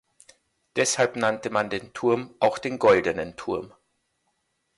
Deshalb nannte man den Turm auch den Goldenen Turm.